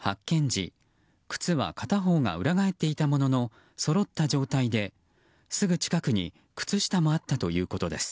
時靴は片方が裏返っていたもののそろった状態で、すぐ近くに靴下もあったということです。